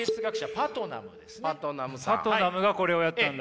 パトナムがこれをやったんだ。